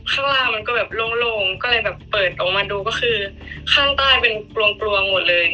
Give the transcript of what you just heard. ข้างล่างมันก็แบบโล่งก็เลยแบบเปิดออกมาดูก็คือข้างใต้เป็นกลวงหมดเลย